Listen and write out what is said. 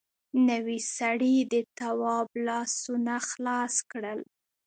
نوي سړي د تواب لاسونه خلاص کړل.